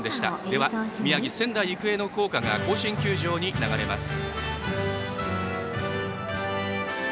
では、宮城・仙台育英の校歌が甲子園球場に流れます。